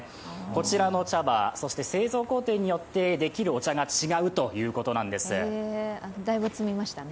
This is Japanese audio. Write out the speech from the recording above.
こちらの茶葉、そして製造工程によってできるお茶が違うということなんですね。